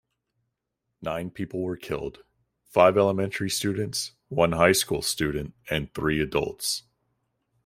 Nine people were killed, five elementary students, one high school student and three adults.